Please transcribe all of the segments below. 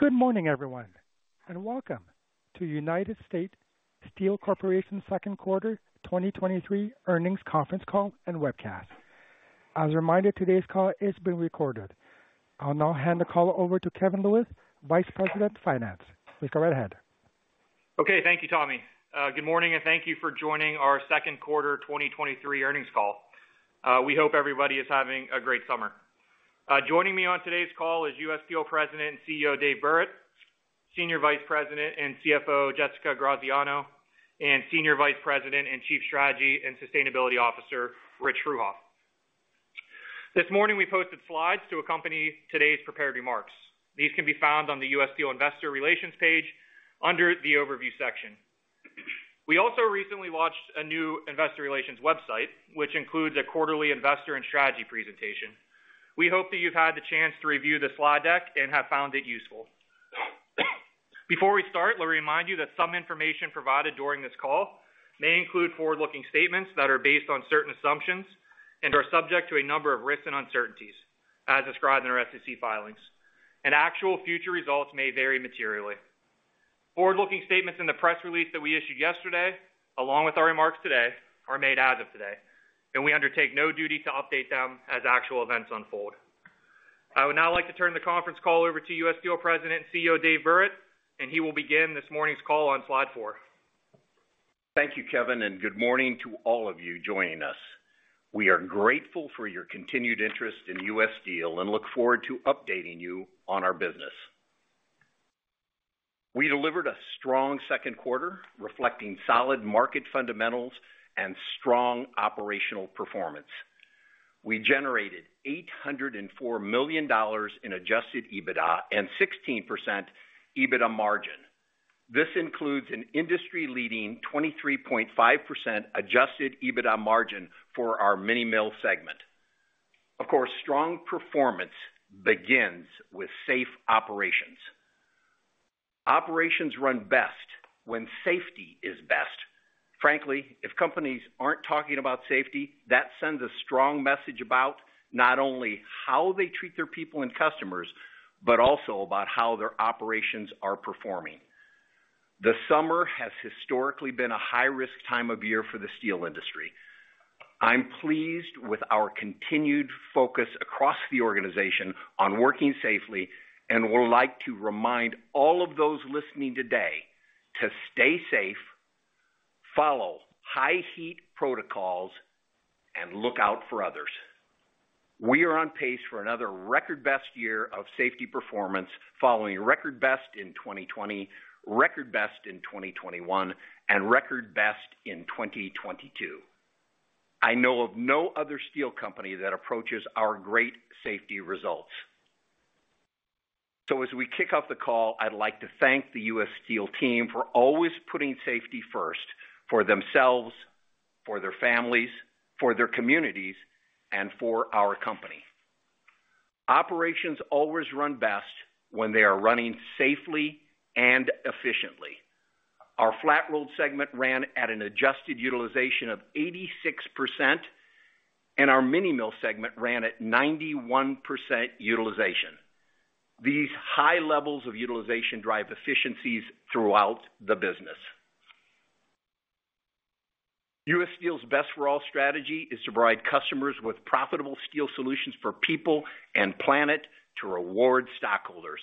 Good morning, everyone, and welcome to United States Steel Corporation's Second Quarter 2023 Earnings Conference Call and Webcast. As a reminder, today's call is being recorded. I'll now hand the call over to Kevin Lewis, Vice President of Finance. Please go right ahead. Okay, thank you, Tommy. Good morning, thank you for joining our second quarter 2023 earnings call. We hope everybody is having a great summer. Joining me on today's call is U. S. Steel President and CEO, Dave Burritt, Senior Vice President and CFO, Jessica Graziano, Senior Vice President and Chief Strategy and Sustainability Officer, Rich Fruehauf. This morning, we posted slides to accompany today's prepared remarks. These can be found on the U. S. Steel Investor Relations page under the Overview section. We also recently launched a new investor relations website, which includes a quarterly investor and strategy presentation. We hope that you've had the chance to review the slide deck and have found it useful. Before we start, let me remind you that some information provided during this call may include forward-looking statements that are based on certain assumptions and are subject to a number of risks and uncertainties as described in our SEC filings. Actual future results may vary materially. Forward-looking statements in the press release that we issued yesterday, along with our remarks today, are made as of today. We undertake no duty to update them as actual events unfold. I would now like to turn the conference call over to U. S. Steel President and CEO, Dave Burritt. He will begin this morning's call on slide 4. Thank you, Kevin, and good morning to all of you joining us. We are grateful for your continued interest in U. S. Steel and look forward to updating you on our business. We delivered a strong second quarter, reflecting solid market fundamentals and strong operational performance. We generated $804 million in adjusted EBITDA and 16% EBITDA margin. This includes an industry-leading 23.5% adjusted EBITDA margin for our Mini Mill segment. Of course, strong performance begins with safe operations. Operations run best when safety is best. Frankly, if companies aren't talking about safety, that sends a strong message about not only how they treat their people and customers, but also about how their operations are performing. The summer has historically been a high-risk time of year for the steel industry. I'm pleased with our continued focus across the organization on working safely, and would like to remind all of those listening today to stay safe, follow high heat protocols, and look out for others. We are on pace for another record-best year of safety performance, following record best in 2020, record best in 2021, and record best in 2022. I know of no other steel company that approaches our great safety results. As we kick off the call, I'd like to thank the U. S. Steel team for always putting safety first for themselves, for their families, for their communities, and for our company. Operations always run best when they are running safely and efficiently. Our Flat-Rolled segment ran at an adjusted utilization of 86%, our Mini Mill segment ran at 91% utilization. These high levels of utilization drive efficiencies throughout the business. U. S. Steel's Best for All® strategy is to provide customers with profitable steel solutions for people and planet to reward stockholders,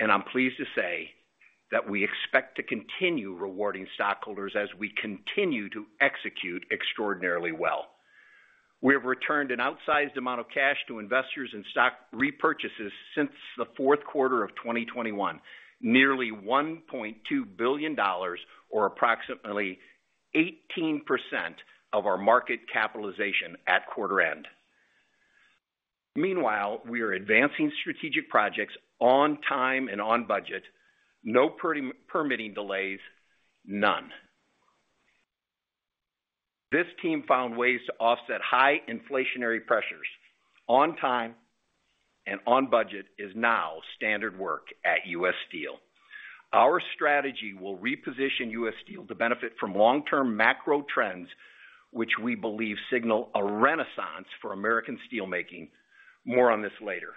and I'm pleased to say that we expect to continue rewarding stockholders as we continue to execute extraordinarily well. We have returned an outsized amount of cash to investors in stock repurchases since the fourth quarter of 2021, nearly $1.2 billion, or approximately 18% of our market capitalization at quarter end. Meanwhile, we are advancing strategic projects on time and on budget. No permitting delays, none. This team found ways to offset high inflationary pressures. On time and on budget is now standard work at U. S. Steel. Our strategy will reposition U. S. Steel to benefit from long-term macro trends, which we believe signal a renaissance for American steelmaking. More on this later.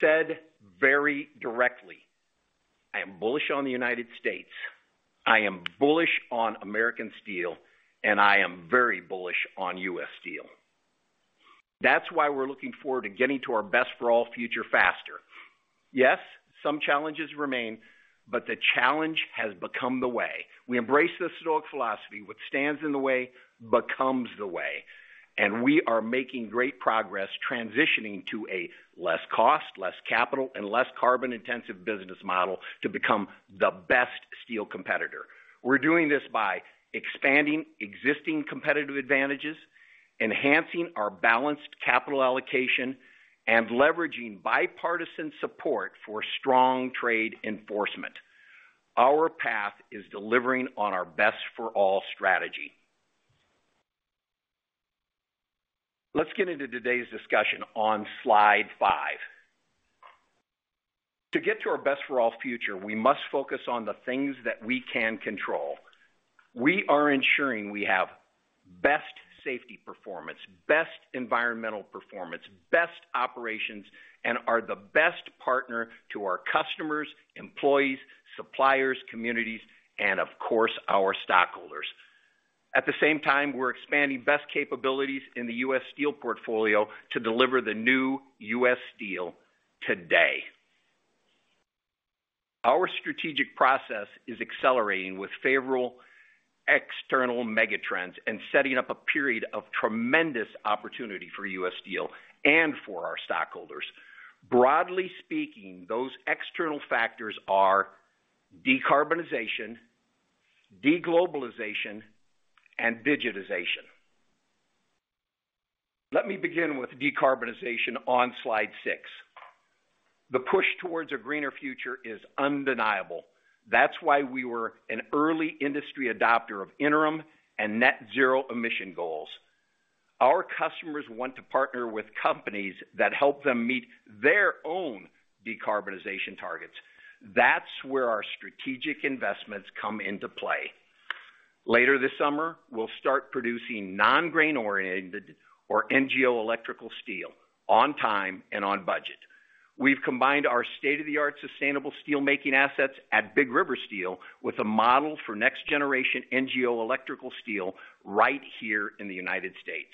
Said very directly, I am bullish on the United States, I am bullish on American steel, and I am very bullish on U. S. Steel. That's why we're looking forward to getting to our Best for All® future faster. Yes, some challenges remain, but the challenge has become the way. We embrace this Stoic philosophy, what stands in the way becomes the way, and we are making great progress transitioning to a less cost, less capital, and less carbon-intensive business model to become the best steel competitor. We're doing this by expanding existing competitive advantages, enhancing our balanced capital allocation, and leveraging bipartisan support for strong trade enforcement. Our path is delivering on our Best for All® strategy. Let's get into today's discussion on slide five. To get to our Best for All® future, we must focus on the things that we can control. We are ensuring best safety performance, best environmental performance, best operations, and are the best partner to our customers, employees, suppliers, communities, and of course, our stockholders. At the same time, we're expanding best capabilities in the U. S. Steel portfolio to deliver the new U. S. Steel today. Our strategic process is accelerating with favorable external mega trends and setting up a period of tremendous opportunity for U. S. Steel and for our stockholders. Broadly speaking, those external factors are decarbonization, deglobalization, and digitization. Let me begin with decarbonization on slide 6. The push towards a greener future is undeniable. That's why we were an early industry adopter of interim and net zero emission goals. Our customers want to partner with companies that help them meet their own decarbonization targets. That's where our strategic investments come into play. Later this summer, we'll start producing non-grain-oriented, or NGO electrical steel, on time and on budget. We've combined our state-of-the-art sustainable steelmaking assets at Big River Steel with a model for next generation NGO electrical steel right here in the United States.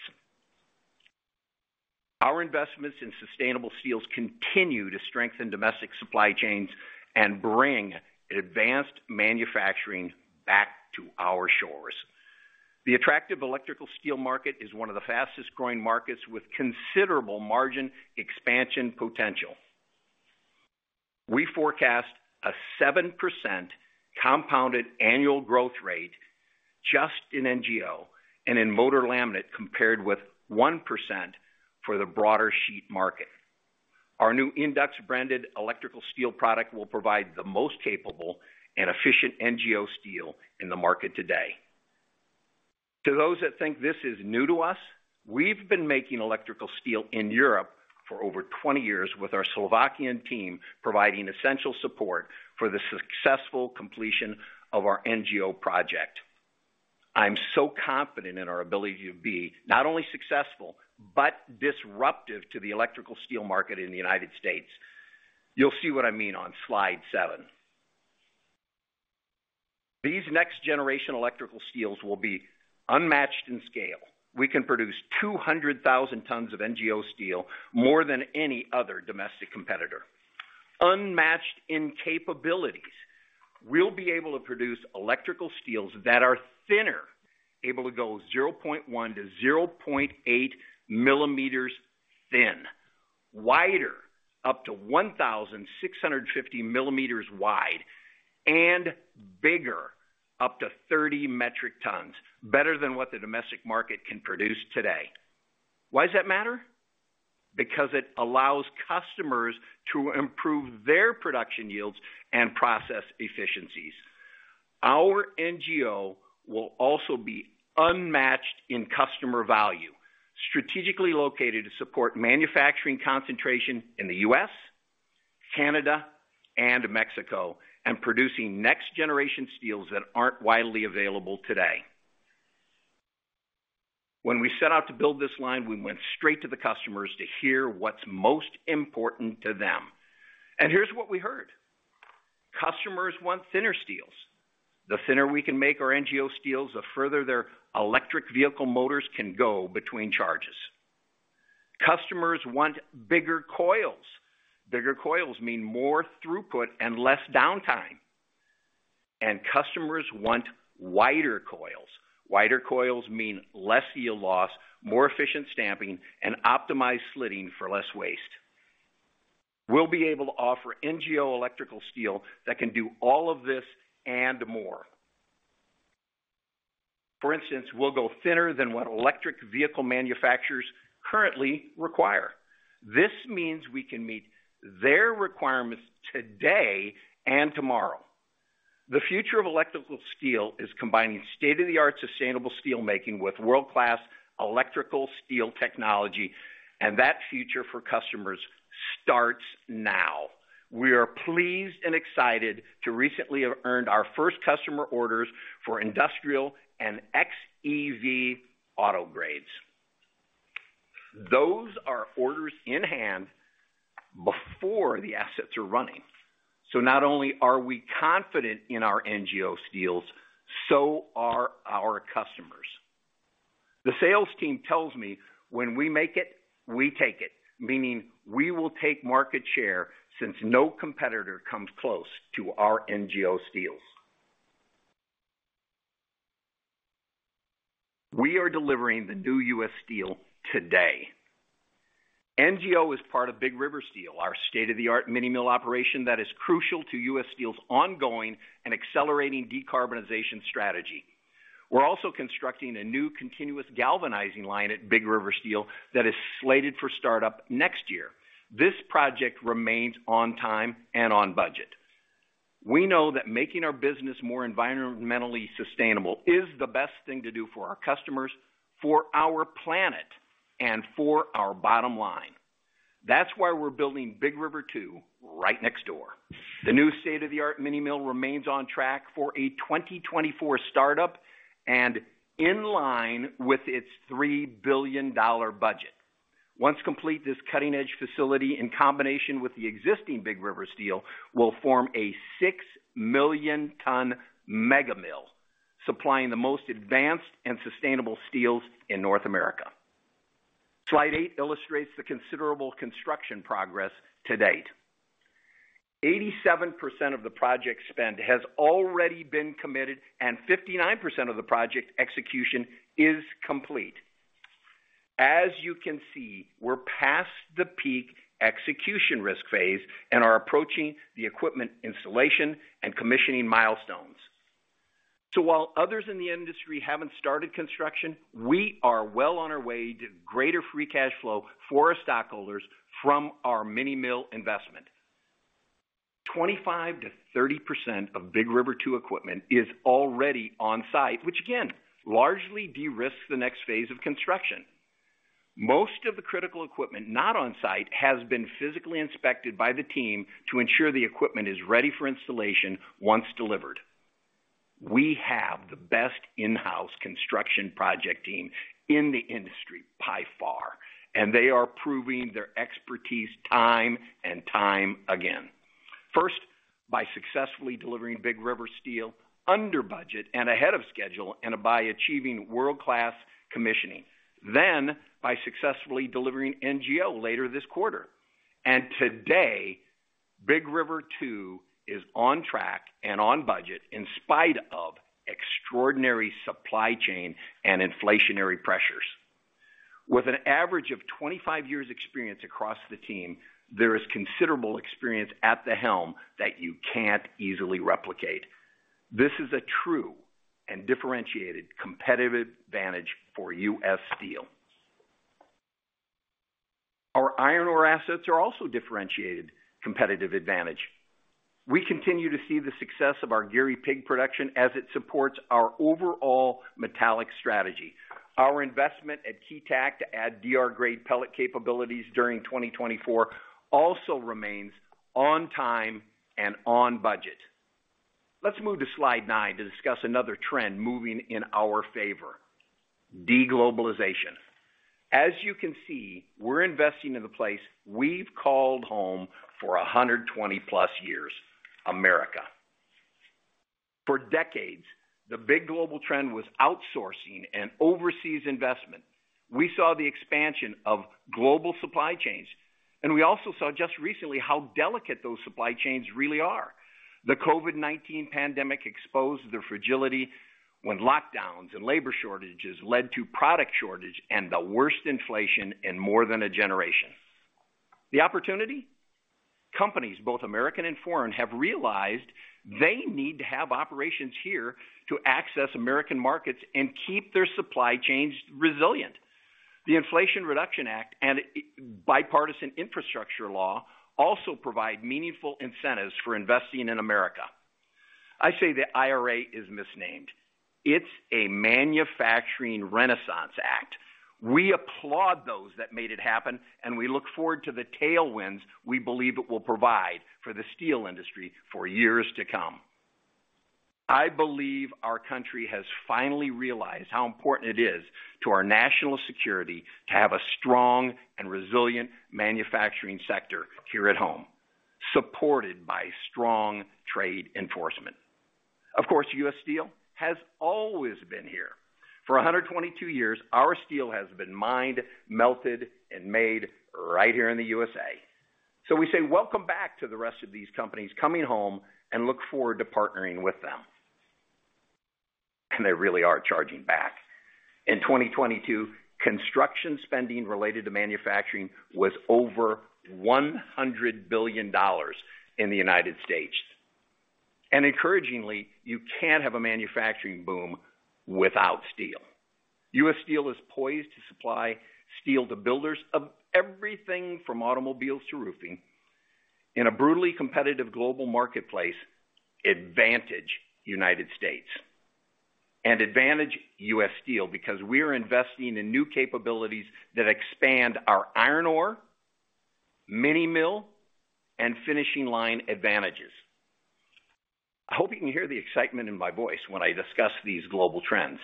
Our investments in sustainable steels continue to strengthen domestic supply chains and bring advanced manufacturing back to our shores. The attractive electrical steel market is one of the fastest-growing markets, with considerable margin expansion potential. We forecast a 7% compounded annual growth rate just in NGO and in motor lamination, compared with 1% for the broader sheet market. Our new InduX-branded electrical steel product will provide the most capable and efficient NGO steel in the market today. To those that think this is new to us, we've been making electrical steel in Europe for over 20 years, with our Slovakian team providing essential support for the successful completion of our NGO project. I'm confident in our ability to be not only successful, but disruptive to the electrical steel market in the United States. You'll see what I mean on slide 7. These next-generation electrical steels will be unmatched in scale. We can produce 200,000 tons of NGO steel, more than any other domestic competitor. Unmatched in capabilities. We'll be able to produce electrical steels that are thinner, able to go 0.1-0.8 mm thin, wider, up to 1,650 mm wide, and bigger, up to 30 metric tons, better than what the domestic market can produce today. Why does that matter? It allows customers to improve their production yields and process efficiencies. Our NGO will also be unmatched in customer value, strategically located to support manufacturing concentration in the US, Canada, and Mexico, and producing next-generation steels that aren't widely available today. When we set out to build this line, we went straight to the customers to hear what's most important to them. Here's what we heard. Customers want thinner steels. The thinner we can make our NGO steels, the further their electric vehicle motors can go between charges. Customers want bigger coils. Bigger coils mean more throughput and less downtime. Customers want wider coils. Wider coils mean less yield loss, more efficient stamping, and optimized slitting for less waste. We'll be able to offer NGO electrical steel that can do all of this and more. For instance, we'll go thinner than what electric vehicle manufacturers currently require. This means we can meet their requirements today and tomorrow. The future of electrical steel is combining state-of-the-art sustainable steelmaking with world-class electrical steel technology. That future for customers starts now. We are pleased and excited to recently have earned our first customer orders for industrial and XEV auto grades. Those are orders in hand before the assets are running. Not only are we confident in our NGO steels, so are our customers. The sales team tells me, "When we make it, we take it," meaning we will take market share since no competitor comes close to our NGO steels. We are delivering the new U. S. Steel today. NGO is part of Big River Steel, our state-of-the-art Mini Mill operation that is crucial to U. S. Steel's ongoing and accelerating decarbonization strategy. We're also constructing a new continuous galvanizing line at Big River Steel that is slated for startup next year. This project remains on time and on budget. We know that making our business more environmentally sustainable is the best thing to do for our customers, for our planet, and for our bottom line.... That's why we're building Big River 2 right next door. The new state-of-the-art mini mill remains on track for a 2024 startup and in line with its $3 billion budget. Once complete, this cutting-edge facility, in combination with the existing Big River Steel, will form a 6 million ton mega mill, supplying the most advanced and sustainable steels in North America. Slide 8 illustrates the considerable construction progress to date. 87% of the project spend has already been committed, and 59% of the project execution is complete. As you can see, we're past the peak execution risk phase and are approaching the equipment installation and commissioning milestones. While others in the industry haven't started construction, we are well on our way to greater free cash flow for our stockholders from our Mini Mill investment. 25%-30% of Big River 2 equipment is already on site, which again, largely de-risks the next phase of construction. Most of the critical equipment not on site has been physically inspected by the team to ensure the equipment is ready for installation once delivered. We have the best in-house construction project team in the industry by far, and they are proving their expertise time and time again. First, by successfully delivering Big River Steel under budget and ahead of schedule, and by achieving world-class commissioning. Then, by successfully delivering NGO later this quarter. Today, Big River 2 is on track and on budget in spite of extraordinary supply chain and inflationary pressures. With an average of 25 years experience across the team, there is considerable experience at the helm that you can't easily replicate. This is a true and differentiated competitive advantage for U. S. Steel. Our iron ore assets are also differentiated competitive advantage. We continue to see the success of our Gary pig production as it supports our overall metallic strategy. Our investment at Keetac to add DR-grade pellet capabilities during 2024 also remains on time and on budget. Let's move to slide 9 to discuss another trend moving in our favor: deglobalization. As you can see, we're investing in the place we've called home for 120-plus years, America. For decades, the big global trend was outsourcing and overseas investment. We also saw just recently how delicate those supply chains really are. The COVID-19 pandemic exposed their fragility when lockdowns and labor shortages led to product shortage and the worst inflation in more than a generation. The opportunity? Companies, both American and foreign, have realized they need to have operations here to access American markets and keep their supply chains resilient. The Inflation Reduction Act and Bipartisan Infrastructure Law also provide meaningful incentives for investing in America. I say the IRA is misnamed. It's a Manufacturing Renaissance Act. We applaud those that made it happen, and we look forward to the tailwinds we believe it will provide for the steel industry for years to come. I believe our country has finally realized how important it is to our national security to have a strong and resilient manufacturing sector here at home, supported by strong trade enforcement. Of course, U. S. Steel has always been here. For 122 years, our steel has been mined, melted, and made right here in the USA. We say welcome back to the rest of these companies coming home and look forward to partnering with them. They really are charging back. In 2022, construction spending related to manufacturing was over $100 billion in the United States. Encouragingly, you can't have a manufacturing boom without steel. U. S. Steel is poised to supply steel to builders of everything from automobiles to roofing. In a brutally competitive global marketplace, advantage United States and advantage U. S. Steel, because we are investing in new capabilities that expand our iron ore, mini mill, and finishing line advantages. I hope you can hear the excitement in my voice when I discuss these global trends,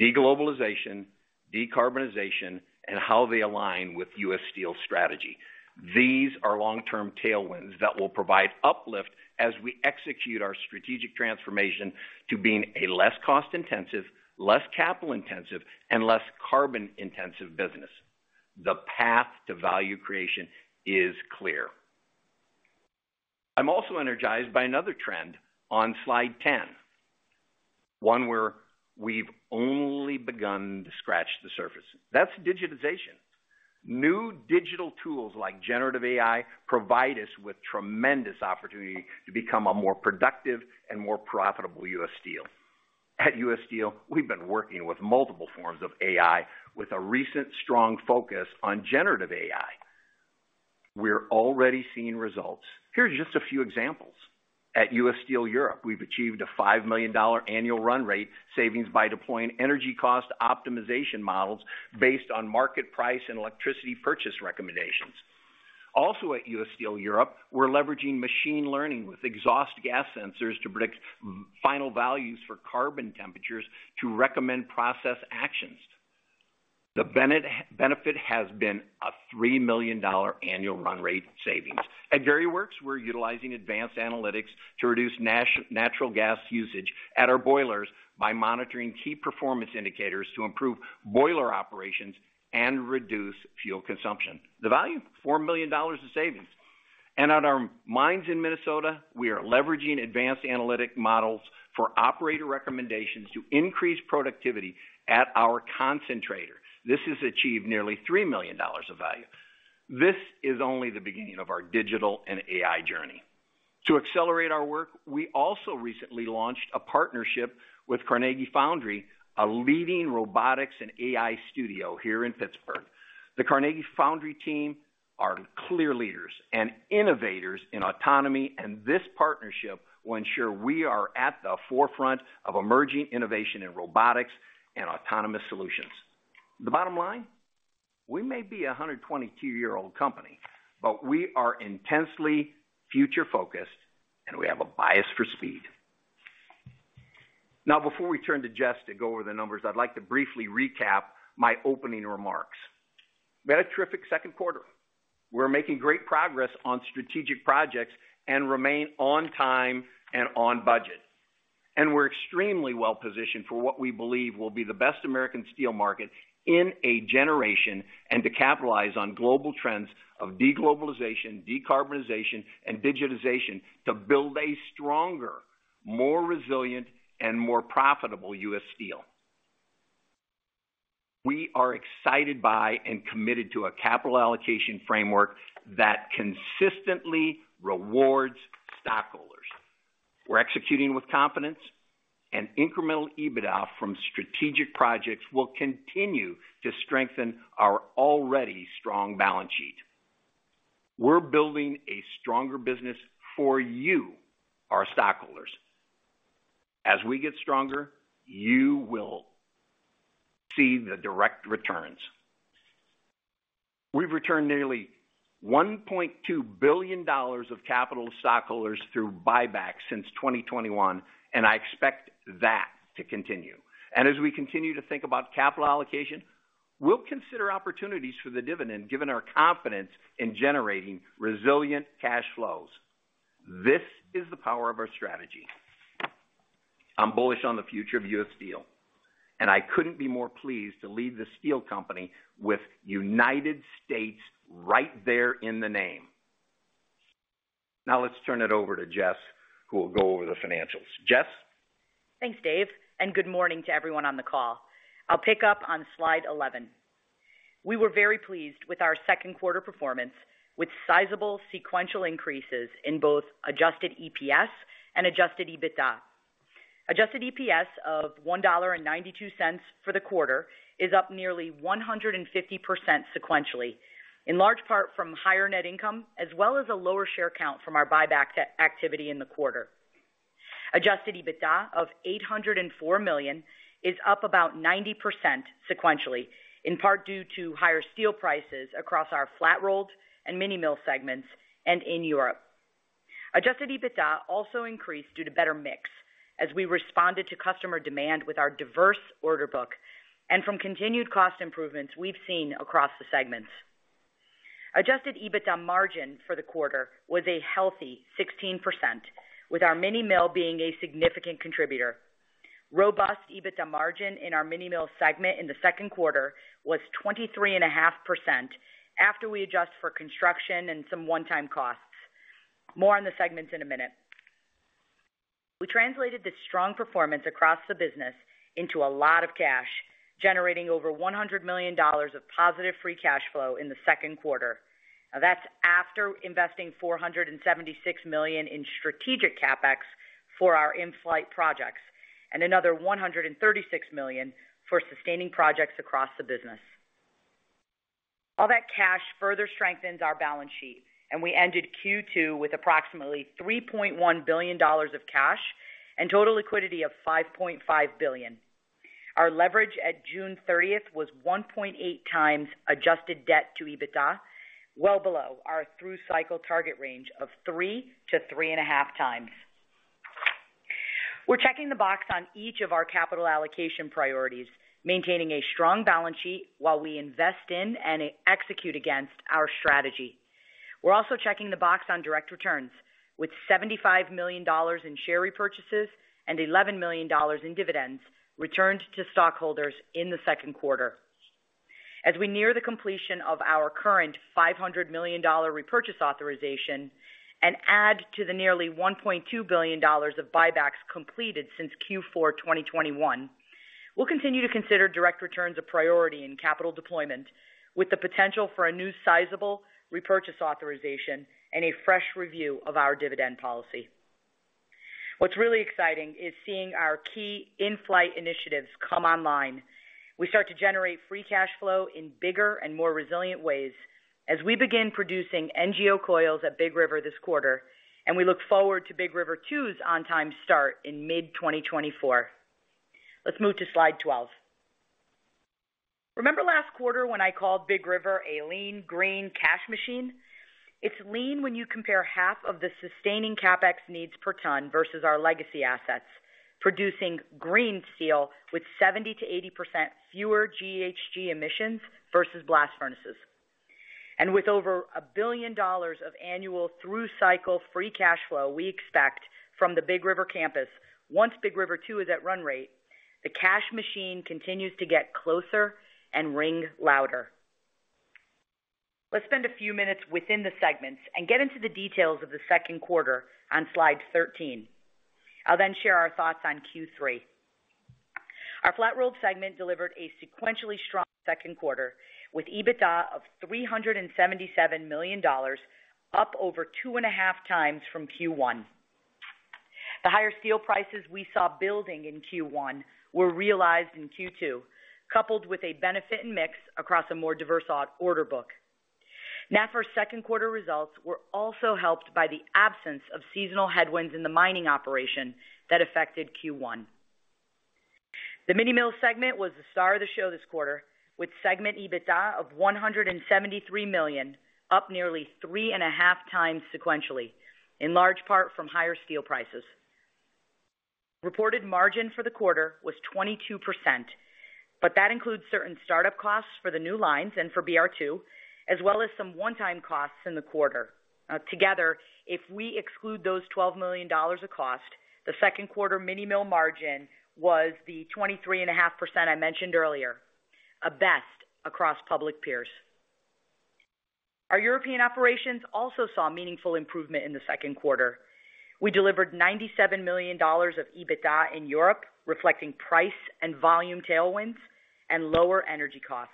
deglobalization, decarbonization, and how they align with U. S. Steel strategy. These are long-term tailwinds that will provide uplift as we execute our strategic transformation to being a less cost-intensive, less capital-intensive, and less carbon-intensive business. The path to value creation is clear. I'm also energized by another trend on slide 10, one where we've only begun to scratch the surface. That's digitization. New digital tools like generative AI provide us with tremendous opportunity to become a more productive and more profitable U. S. Steel. At U. S. Steel, we've been working with multiple forms of AI with a recent strong focus on generative AI. We're already seeing results. Here are just a few examples. At U. S. Steel Europe, we've achieved a $5 million annual run rate savings by deploying energy cost optimization models based on market price and electricity purchase recommendations. Also, at U. S. Steel Europe, we're leveraging machine learning with exhaust gas sensors to predict final values for carbon temperatures to recommend process actions. The benefit has been a $3 million annual run rate savings. At Gary Works, we're utilizing advanced analytics to reduce natural gas usage at our boilers by monitoring key performance indicators to improve boiler operations and reduce fuel consumption. The value? $4 million in savings. At our mines in Minnesota, we are leveraging advanced analytic models for operator recommendations to increase productivity at our concentrator. This has achieved nearly $3 million of value. This is only the beginning of our digital and AI journey. To accelerate our work, we also recently launched a partnership with Carnegie Foundry, a leading robotics and AI studio here in Pittsburgh. The Carnegie Foundry team are clear leaders and innovators in autonomy. This partnership will ensure we are at the forefront of emerging innovation in robotics and autonomous solutions. The bottom line, we may be a 122-year-old company. We are intensely future-focused. We have a bias for speed. Now, before we turn to Jess to go over the numbers, I'd like to briefly recap my opening remarks. We had a terrific second quarter. We're making great progress on strategic projects. We remain on time and on budget. We're extremely well-positioned for what we believe will be the best American steel market in a generation, and to capitalize on global trends of deglobalization, decarbonization, and digitization to build a stronger, more resilient, and more profitable U. S. Steel. We are excited by and committed to a capital allocation framework that consistently rewards stockholders. We're executing with confidence. Incremental EBITDA from strategic projects will continue to strengthen our already strong balance sheet. We're building a stronger business for you, our stockholders. As we get stronger, you will see the direct returns. We've returned nearly $1.2 billion of capital to stockholders through buybacks since 2021, and I expect that to continue. As we continue to think about capital allocation, we'll consider opportunities for the dividend, given our confidence in generating resilient cash flows. This is the power of our strategy. I'm bullish on the future of U. S. Steel, and I couldn't be more pleased to lead the steel company with United States right there in the name. Now, let's turn it over to Jess, who will go over the financials. Jess? Thanks, Dave. Good morning to everyone on the call. I'll pick up on slide 11. We were very pleased with our second quarter performance, with sizable sequential increases in both adjusted EPS and adjusted EBITDA. Adjusted EPS of $1.92 for the quarter is up nearly 150% sequentially, in large part from higher net income, as well as a lower share count from our buyback activity in the quarter. Adjusted EBITDA of $804 million is up about 90% sequentially, in part due to higher steel prices across our Flat-Rolled and Mini Mill segments and in Europe. Adjusted EBITDA also increased due to better mix, as we responded to customer demand with our diverse order book and from continued cost improvements we've seen across the segments. Adjusted EBITDA margin for the quarter was a healthy 16%, with our Mini Mill being a significant contributor. Robust EBITDA margin in our Mini Mill segment in the second quarter was 23.5% after we adjust for construction and some one-time costs. More on the segments in a minute. We translated this strong performance across the business into a lot of cash, generating over $100 million of positive free cash flow in the second quarter. That's after investing $476 million in strategic CapEx for our in-flight projects and another $136 million for sustaining projects across the business. All that cash further strengthens our balance sheet, and we ended Q2 with approximately $3.1 billion of cash and total liquidity of $5.5 billion. Our leverage at June 30th was 1.8x adjusted debt to EBITDA, well below our through-cycle target range of 3x-3.5x. We're checking the box on each of our capital allocation priorities, maintaining a strong balance sheet while we invest in and execute against our strategy. We're also checking the box on direct returns, with $75 million in share repurchases and $11 million in dividends returned to stockholders in the second quarter. As we near the completion of our current $500 million repurchase authorization and add to the nearly $1.2 billion of buybacks completed since Q4 2021, we'll continue to consider direct returns a priority in capital deployment, with the potential for a new sizable repurchase authorization and a fresh review of our dividend policy. What's really exciting is seeing our key in-flight initiatives come online. We start to generate free cash flow in bigger and more resilient ways as we begin producing NGO coils at Big River this quarter. We look forward to Big River 2's on-time start in mid-2024. Let's move to slide 12. Remember last quarter when I called Big River a lean, green cash machine? It's lean when you compare half of the sustaining CapEx needs per ton versus our legacy assets, producing green steel with 70%-80% fewer GHG emissions versus blast furnaces. With over $1 billion of annual through-cycle free cash flow, we expect from the Big River campus, once Big River 2 is at run rate, the cash machine continues to get closer and ring louder. Let's spend a few minutes within the segments and get into the details of the second quarter on slide 13. I'll then share our thoughts on Q3. Our Flat-Rolled segment delivered a sequentially strong second quarter, with EBITDA of $377 million, up over 2.5 times from Q1. The higher steel prices we saw building in Q1 were realized in Q2, coupled with a benefit in mix across a more diverse order book. NAFR's second quarter results were also helped by the absence of seasonal headwinds in the mining operation that affected Q1. The Mini Mill segment was the star of the show this quarter, with segment EBITDA of $173 million, up nearly 3.5 times sequentially, in large part from higher steel prices. Reported margin for the quarter was 22%. That includes certain startup costs for the new lines and for BR2, as well as some one-time costs in the quarter. Now, together, if we exclude those $12 million of cost, the second quarter Mini Mill margin was the 23.5% I mentioned earlier, a best across public peers. Our European operations also saw meaningful improvement in the second quarter. We delivered $97 million of EBITDA in Europe, reflecting price and volume tailwinds and lower energy costs.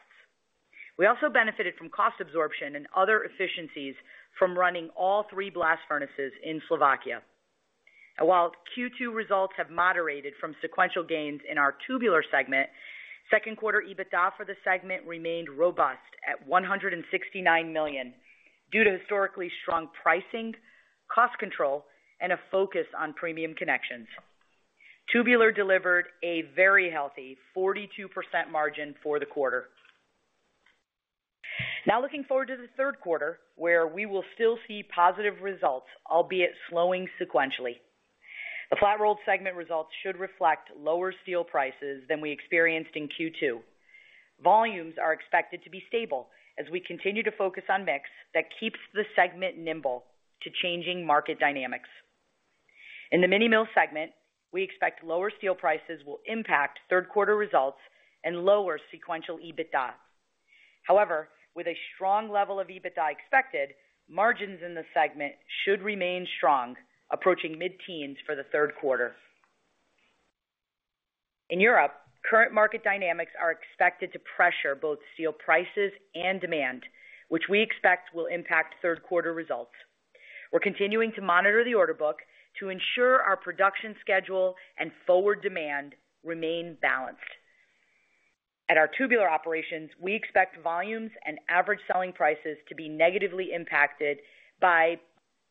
We also benefited from cost absorption and other efficiencies from running all three blast furnaces in Slovakia. While Q2 results have moderated from sequential gains in our Tubular segment, second quarter EBITDA for the segment remained robust at $169 million, due to historically strong pricing, cost control, and a focus on premium connections. Tubular delivered a very healthy 42% margin for the quarter. Now looking forward to the third quarter, where we will still see positive results, albeit slowing sequentially. The Flat-Rolled segment results should reflect lower steel prices than we experienced in Q2. Volumes are expected to be stable as we continue to focus on mix that keeps the segment nimble to changing market dynamics. In the Mini Mill segment, we expect lower steel prices will impact third quarter results and lower sequential EBITDA. However, with a strong level of EBITDA expected, margins in the segment should remain strong, approaching mid-teens for the third quarter. In Europe, current market dynamics are expected to pressure both steel prices and demand, which we expect will impact third quarter results. We're continuing to monitor the order book to ensure our production schedule and forward demand remain balanced. At our Tubular operations, we expect volumes and average selling prices to be negatively impacted by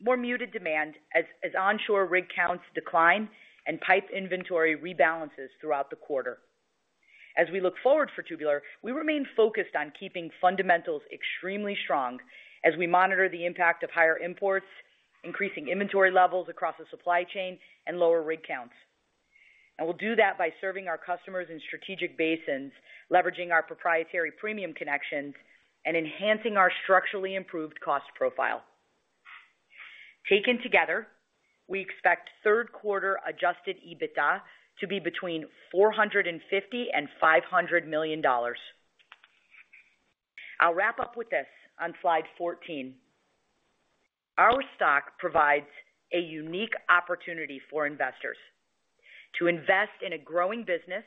more muted demand as onshore rig counts decline and pipe inventory rebalances throughout the quarter. As we look forward for Tubular, we remain focused on keeping fundamentals extremely strong as we monitor the impact of higher imports, increasing inventory levels across the supply chain, and lower rig counts. We'll do that by serving our customers in strategic basins, leveraging our proprietary premium connections, and enhancing our structurally improved cost profile. Taken together, we expect third quarter adjusted EBITDA to be between $450 million and $500 million. I'll wrap up with this on slide 14. Our stock provides a unique opportunity for investors to invest in a growing business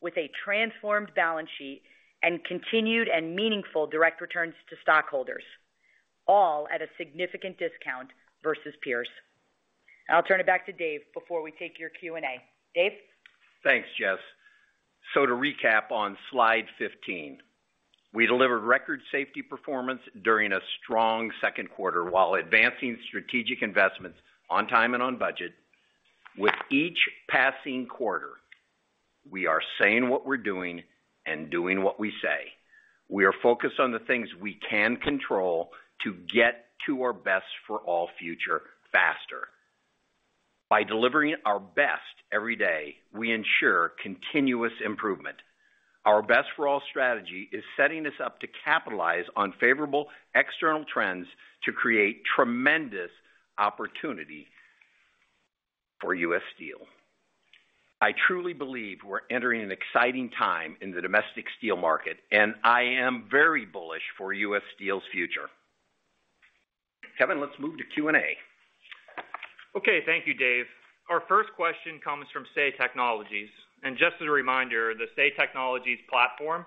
with a transformed balance sheet and continued and meaningful direct returns to stockholders, all at a significant discount versus peers. I'll turn it back to Dave before we take your Q&A. Dave? Thanks, Jess. To recap on slide 15, we delivered record safety performance during a strong second quarter while advancing strategic investments on time and on budget. With each passing quarter, we are saying what we're doing and doing what we say. We are focused on the things we can control to get to our Best for All® future faster. By delivering our best every day, we ensure continuous improvement. Our Best for All® strategy is setting us up to capitalize on favorable external trends to create tremendous opportunity for U. S. Steel. I truly believe we're entering an exciting time in the domestic steel market, and I am very bullish for U. S. Steel's future. Kevin, let's move to Q&A. Okay, thank you, Dave. Our first question comes from Say Technologies. Just as a reminder, the Say Technologies platform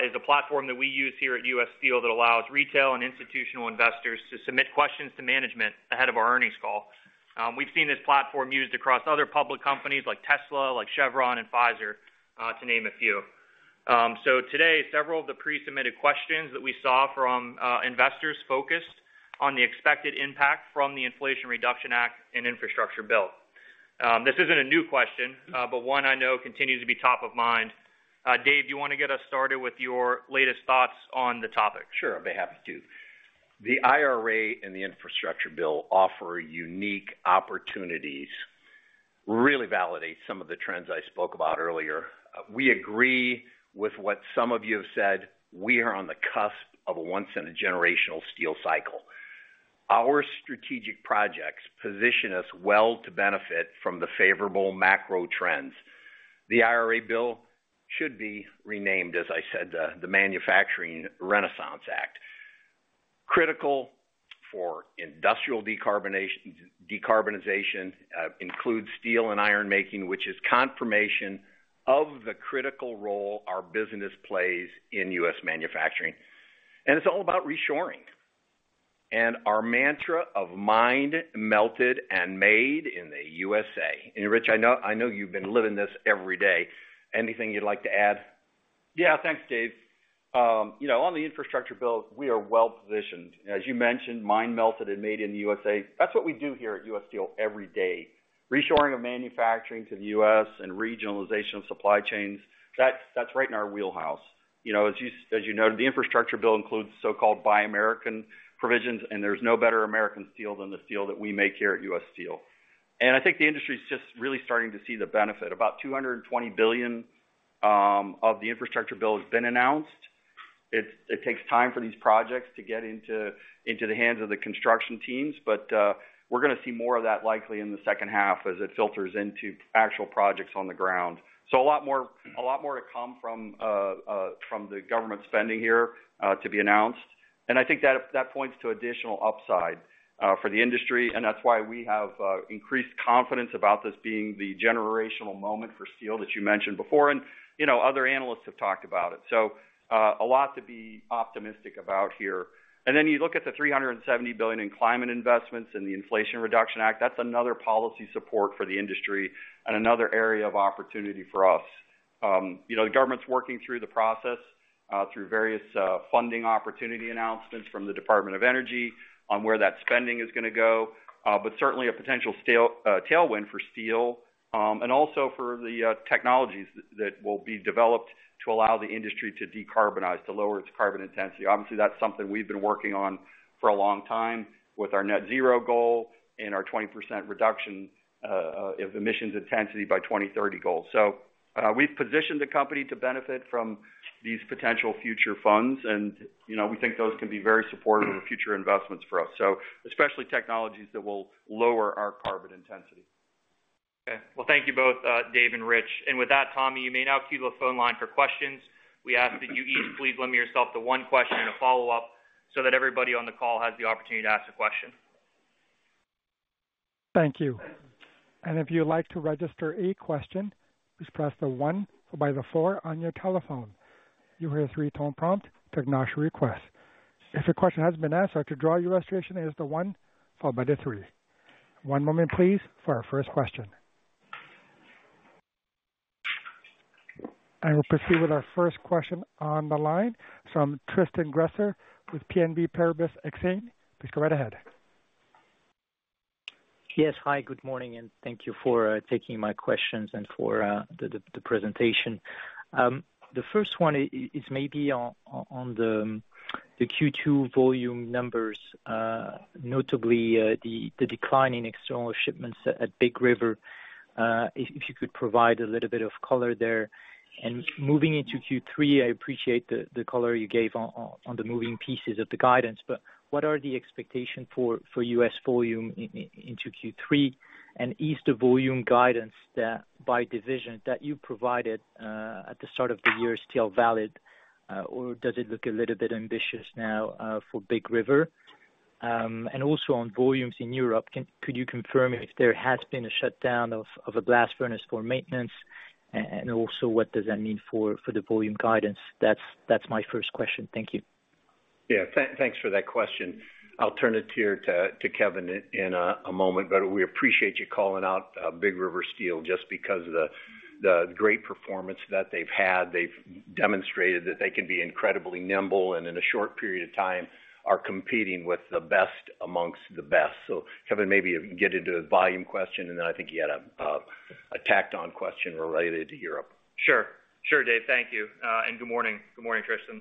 is a platform that we use here at U. S. Steel that allows retail and institutional investors to submit questions to management ahead of our earnings call. We've seen this platform used across other public companies like Tesla, like Chevron and Pfizer, to name a few. Today, several of the pre-submitted questions that we saw from investors focused on the expected impact from the Inflation Reduction Act and Infrastructure Bill. This isn't a new question, but one I know continues to be top of mind. Dave, do you want to get us started with your latest thoughts on the topic? Sure, I'd be happy to. The IRA and the Infrastructure Bill offer unique opportunities, really validate some of the trends I spoke about earlier. We agree with what some of you have said, we are on the cusp of a once-in-a-generational steel cycle. Our strategic projects position us well to benefit from the favorable macro trends. The IRA Bill should be renamed, as I said, the Manufacturing Renaissance Act. Critical for industrial decarbonization, includes steel and iron-making, which is confirmation of the critical role our business plays in U.S. manufacturing. It's all about reshoring and our mantra of mined, melted, and made in the U.S.A. Rich, I know, I know you've been living this every day. Anything you'd like to add? Yeah. Thanks, Dave. You know, on the Infrastructure Bill, we are well positioned. As you mentioned, mined, melted, and made in the U.S.A., that's what we do here at U.S. Steel every day. Reshoring of manufacturing to the U.S. and regionalization of supply chains, that's, that's right in our wheelhouse. You know, as you, as you noted, the Infrastructure Bill includes so-called Buy American provisions, there's no better American steel than the steel that we make here at U.S. Steel. I think the industry is just really starting to see the benefit. About $220 billion of the Infrastructure Bill has been announced. It, it takes time for these projects to get into, into the hands of the construction teams, but we're gonna see more of that likely in the second half as it filters into actual projects on the ground. A lot more, a lot more to come from, from the government spending here, to be announced. I think that, that points to additional upside for the industry, and that's why we have increased confidence about this being the generational moment for steel that you mentioned before. You know, other analysts have talked about it. A lot to be optimistic about here. Then you look at the $370 billion in climate investments in the Inflation Reduction Act, that's another policy support for the industry and another area of opportunity for us. You know, the government's working through the process, through various funding opportunity announcements from the Department of Energy on where that spending is gonna go. Certainly a potential tailwind for steel, and also for the technologies that will be developed to allow the industry to decarbonize, to lower its carbon intensity. Obviously, that's something we've been working on for a long time with our net zero goal and our 20% reduction of emissions intensity by 2030 goal. We've positioned the company to benefit from these potential future funds. You know, we think those can be very supportive of future investments for us, so especially technologies that will lower our carbon intensity. Okay. Well, thank you both, Dave and Rich. With that, Tommy, you may now cue the phone line for questions. We ask that you each please limit yourself to one question and a follow-up, so that everybody on the call has the opportunity to ask a question. Thank you. If you'd like to register a question, please press the one followed by the four on your telephone. You'll hear a three-tone prompt to acknowledge your request. If your question has been asked, or to draw your registration, it is the one followed by the three. One moment, please, for our first question. I will proceed with our first question on the line from Tristan Gresser with BNP Paribas Exane. Please go right ahead. Yes. Hi, good morning, and thank you for taking my questions and for the presentation. The first one is maybe on the Q2 volume numbers, notably the decline in external shipments at Big River. Moving into Q3, I appreciate the color you gave on the moving pieces of the guidance, but what are the expectation for U. S. volume into Q3? Is the volume guidance that by division, that you provided at the start of the year, still valid, or does it look a little bit ambitious now for Big River? Also on volumes in Europe, could you confirm if there has been a shutdown of a blast furnace for maintenance? Also, what does that mean for, for the volume guidance? That's, that's my first question. Thank you. Yeah, thanks for that question. I'll turn it here to Kevin in a moment, but we appreciate you calling out Big River Steel, just because of the great performance that they've had. They've demonstrated that they can be incredibly nimble, and in a short period of time, are competing with the best amongst the best. Kevin, maybe you can get into the volume question, and then I think you had a tacked-on question related to Europe. Sure. Sure, Dave. Thank you. Good morning. Good morning, Tristan.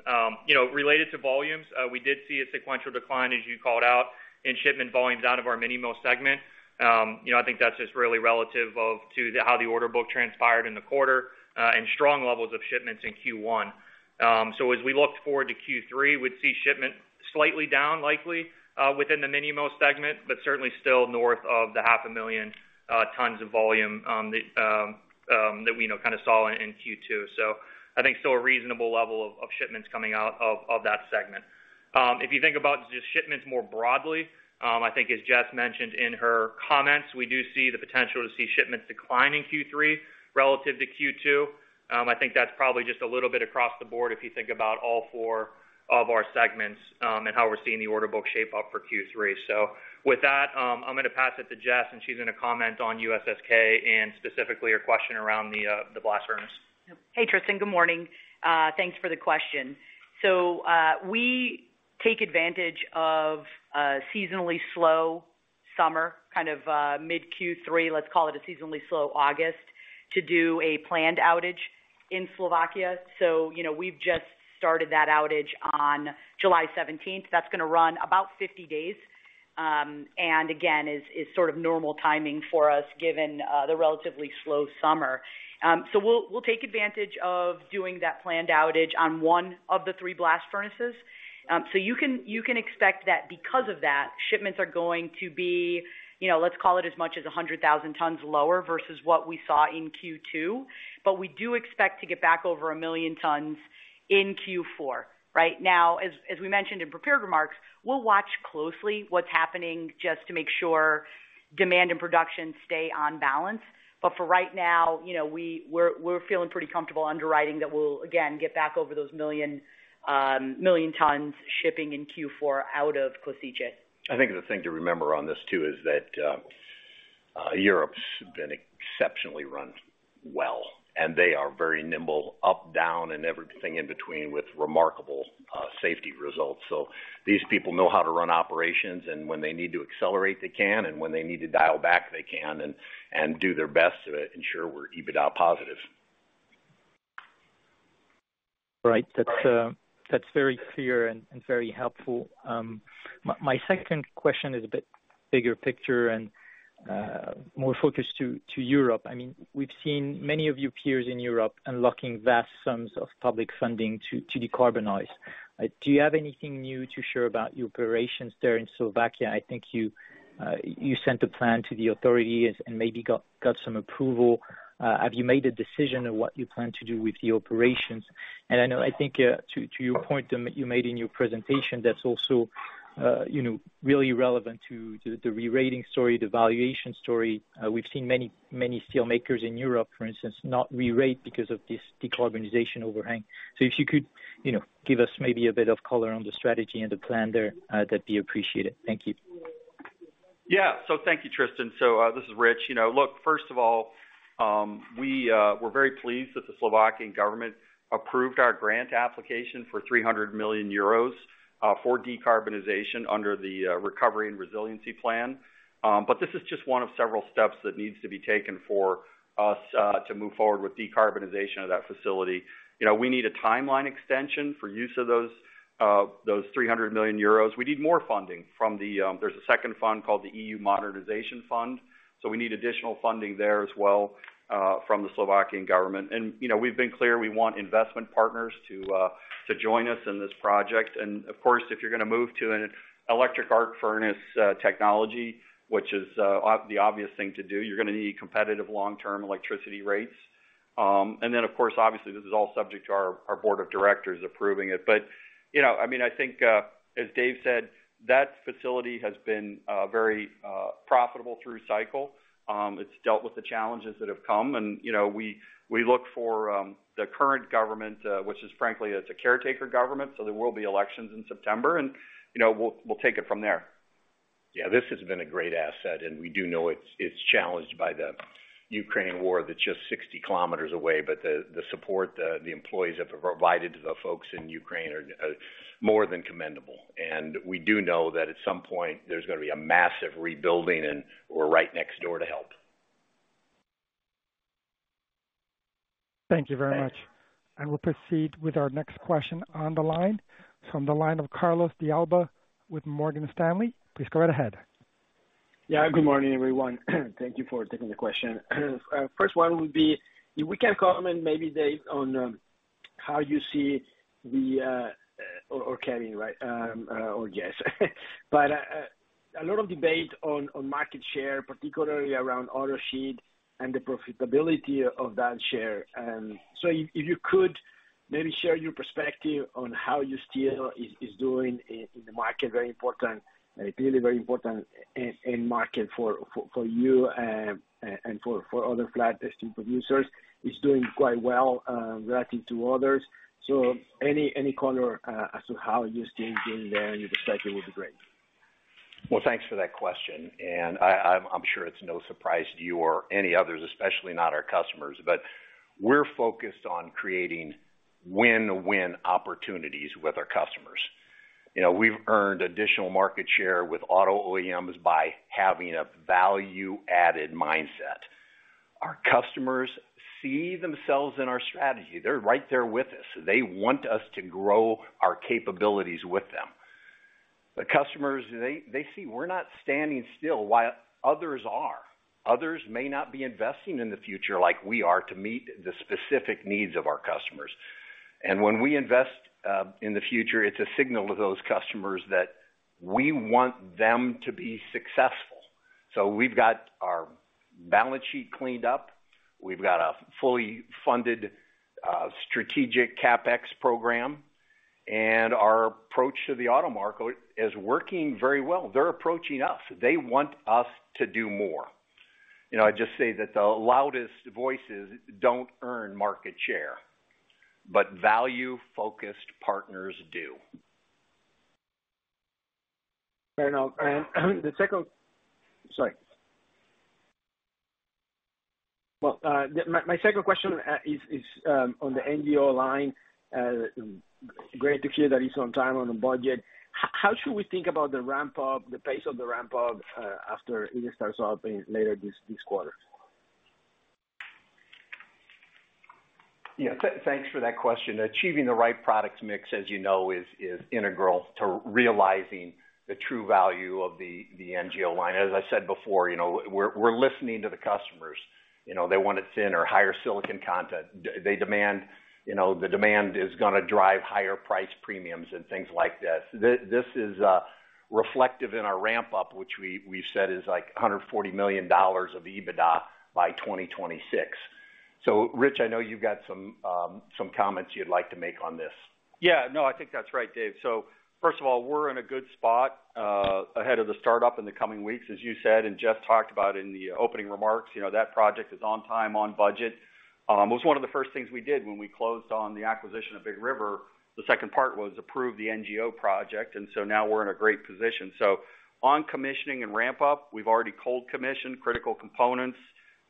Related to volumes, we did see a sequential decline, as you called out, in shipment volumes out of our Mini Mill segment. I think that's just really relative of how the order book transpired in the quarter, and strong levels of shipments in Q1. As we look forward to Q3, we'd see shipment slightly down, likely, within the Mini Mill segment, but certainly still north of the 500,000 tons of volume that we saw in Q2. I think still a reasonable level of shipments coming out of that segment. If you think about just shipments more broadly, I think, as Jess mentioned in her comments, we do see the potential to see shipments decline in Q3 relative to Q2. I think that's probably just a little bit across the board if you think about all four of our segments, and how we're seeing the order book shape up for Q3. With that, I'm gonna pass it to Jess, and she's gonna comment on USSK and specifically your question around the blast furnace. Hey, Tristan, good morning. Thanks for the question.... take advantage of seasonally slow summer, mid Q3, let's call it a seasonally slow August, to do a planned outage in Slovakia. You know, we've just started that outage on July 17th. That's gonna run about 50 days. Again, is, is sort of normal timing for us, given the relatively slow summer. We'll, we'll take advantage of doing that planned outage on one of the three blast furnaces. You can, you can expect that because of that, shipments are going to be, you know, let's call it as much as 100,000 tons lower versus what we saw in Q2. We do expect to get back over 1 million tons in Q4. Right? As, as we mentioned in prepared remarks, we'll watch closely what's happening just to make sure demand and production stay on balance. For right now, you know, we're feeling pretty comfortable underwriting that we'll again, get back over those 1 million tons, shipping in Q4 out of Kosice. I think the thing to remember on this, too, is that Europe's been exceptionally run well, and they are very nimble, up, down, and everything in between, with remarkable safety results. These people know how to run operations, and when they need to accelerate, they can, and when they need to dial back, they can and, and do their best to ensure we're EBITDA positive. Right. That's, that's very clear and, and very helpful. My, my second question is a bit bigger picture and more focused to Europe. I mean, we've seen many of your peers in Europe unlocking vast sums of public funding to decarbonize. Do you have anything new to share about your operations there in Slovakia? I think you, you sent a plan to the authorities and maybe got, got some approval. Have you made a decision on what you plan to do with the operations? I know, I think, to, to your point that you made in your presentation, that's also, you know, really relevant to the rerating story, the valuation story. We've seen many, many steelmakers in Europe, for instance, not rerate because of this decarbonization overhang. If you could, you know, give us maybe a bit of color on the strategy and the plan there, that'd be appreciated. Thank you. Yeah. Thank you, Tristan. This is Rich. You know, look, first of all, we're very pleased that the Slovak government approved our grant application for 300 million euros for decarbonization under the Recovery and Resilience Plan. This is just one of several steps that needs to be taken for us to move forward with decarbonization of that facility. You know, we need a timeline extension for use of those 300 million euros. We need more funding from the. There's a second fund called the EU Modernisation Fund, so we need additional funding there as well from the Slovak government. You know, we've been clear, we want investment partners to join us in this project. Of course, if you're gonna move to an electric arc furnace technology, which is the obvious thing to do, you're gonna need competitive long-term electricity rates. Of course, obviously, this is all subject to our board of directors approving it. You know, I mean, I think, as Dave said, that facility has been very profitable through cycle. It's dealt with the challenges that have come and, you know, we look for the current government, which is frankly, it's a caretaker government, so there will be elections in September and, you know, we'll, we'll take it from there. Yeah, this has been a great asset, and we do know it's, it's challenged by the Ukraine war that's just 60 kilometers away. The, the support the, the employees have provided to the folks in Ukraine are, are more than commendable. We do know that at some point there's gonna be a massive rebuilding, and we're right next door to help. Thank you very much. We'll proceed with our next question on the line, from the line of Carlos de Alba with Morgan Stanley. Please go right ahead. Yeah, good morning, everyone. Thank you for taking the question. First one would be if we can comment, maybe Dave, on. Or, or Kevin, right, or Jess. A lot of debate on market share, particularly around auto sheet and the profitability of that share. If you could maybe share your perspective on how U.S. Steel is doing in the market, very important, really very important end market for you, and for other flat-rolled producers. It's doing quite well, relative to others. Any color as to how U.S. Steel is doing there and your perspective would be great. Well, thanks for that question, I'm sure it's no surprise to you or any others, especially not our customers, we're focused on creating win-win opportunities with our customers. You know, we've earned additional market share with auto OEMs by having a value-added mindset. Our customers see themselves in our strategy. They're right there with us. They want us to grow our capabilities with them. The customers, they see we're not standing still while others are. Others may not be investing in the future like we are, to meet the specific needs of our customers. When we invest in the future, it's a signal to those customers that we want them to be successful. We've got our balance sheet cleaned up. We've got a fully funded, strategic CapEx program. Our approach to the auto market is working very well. They're approaching us. They want us to do more. You know, I just say that the loudest voices don't earn market share, but value-focused partners do. I know. The second... Sorry.... Well, my second question is on the NGO line. Great to hear that it's on time, on budget. How should we think about the ramp up, the pace of the ramp up, after it starts off in later this quarter? Thanks for that question. Achieving the right product mix, as you know, is integral to realizing the true value of the NGO line. As I said before, you know, we're listening to the customers. You know, they want it thin or higher silicon content. You know, the demand is gonna drive higher price premiums and things like this. This is reflective in our ramp up, which we've said is like $140 million of EBITDA by 2026. Rich, I know you've got some comments you'd like to make on this. Yeah, no, I think that's right, Dave. First of all, we're in a good spot, ahead of the startup in the coming weeks, as you said, and Jeff talked about in the opening remarks. You know, that project is on time, on budget. It was one of the first things we did when we closed on the acquisition of Big River Steel. The second part was approve the NGO project. Now we're in a great position. On commissioning and ramp up, we've already cold commissioned critical components,